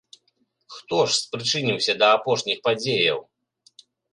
Хто ж спрычыніўся да апошніх падзеяў?